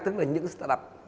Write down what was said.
tức là những start up